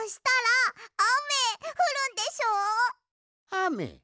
あめ？